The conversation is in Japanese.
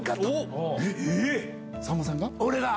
さんまさんが？